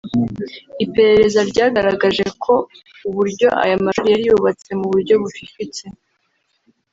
Iperereza ryagaragaje ko uburyo aya mashuri yari yubatse mu buryo bufifitse